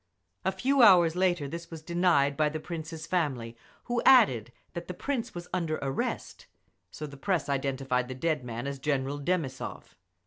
A few hours later this was denied by the Prince's family, who added that the Prince was under arrest so the press identified the dead man as General Demissov.